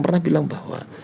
pernah bilang bahwa